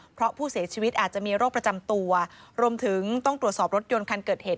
เพราะผู้เสียชีวิตอาจจะมีโรคประจำตัวรวมถึงต้องตรวจสอบรถยนต์คันเกิดเหตุ